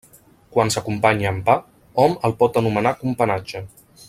Quan s'acompanya amb pa hom el pot anomenar companatge.